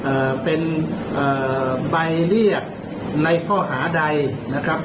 เอ่อเป็นเอ่อใบเรียกในข้อหาใดนะครับ